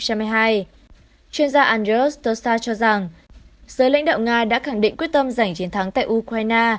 chuyên gia andrewtosa cho rằng giới lãnh đạo nga đã khẳng định quyết tâm giành chiến thắng tại ukraine